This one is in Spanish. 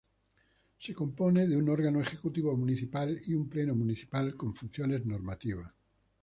Se compone de un órgano Ejecutivo Municipal y un Pleno Municipal con funciones normativas.